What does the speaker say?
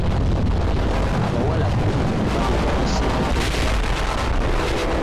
Abawala kkumi bokka be baayiseemu okwetaba mu mpaka.